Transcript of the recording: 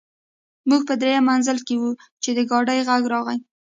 موږ په درېیم منزل کې وو چې د ګاډي غږ راغی